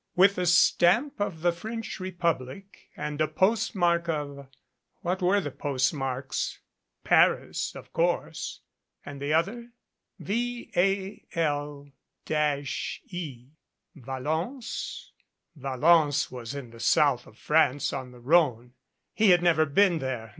With a stamp of the French Republic and a postmark of What were the postmarks? Paris. Of course. And the other? VAL E ? Valence? Valence was in the South of France on the Rhone. He had never been there.